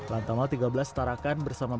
lantamal tiga belas tarakan bersama bnnp